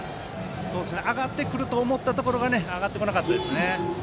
上がってくると思ったところ上がってこなかったですね。